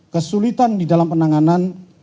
kesulitan di dalam penanganan